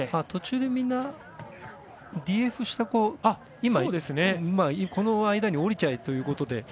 途中でみんなＤＦした子この間に下りちゃえということで。